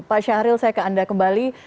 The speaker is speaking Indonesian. pak syahril saya ke anda kembali